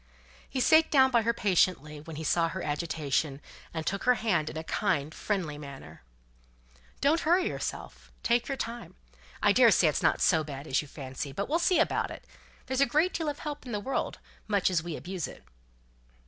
He sate down by her patiently, when he saw her agitation, and took her hand in a kind, friendly manner. "Don't hurry yourself, take your time. I daresay it's not so bad as you fancy; but we'll see about it. There's a great deal of help in the world, much as we abuse it."